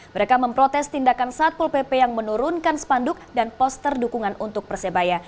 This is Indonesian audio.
mereka memprotes tindakan satpol pp yang menurunkan spanduk dan poster dukungan untuk persebaya